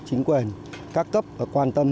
chính quyền các cấp quan tâm